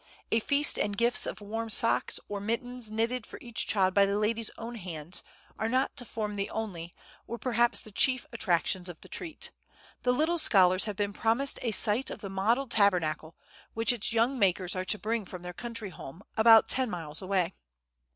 A feast and gifts of warm socks or mittens knitted for each child by the lady's own hands, are not to form the only, or perhaps the chief attractions of the treat; the little scholars have been promised a sight of the model Tabernacle, which its young makers are to bring from their country home, about ten miles away.